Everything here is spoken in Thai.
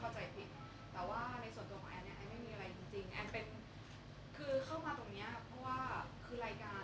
ซึ่งแอนขี่จริงเดินทางจริงแอนว่าตรงนี้จริงแอนเข้ามาตรงนี้เพื่อที่ต้องจะเข้ามาทำงาน